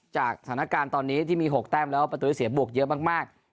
จากสถานการณ์ตอนนี้ที่มี๖แต้มแล้วประตูที่เสียบวกเยอะมาก